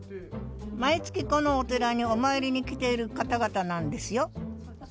毎月このお寺にお参りに来ている方々なんですよ